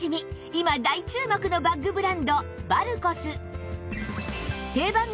今大注目のバッグブランドバルコス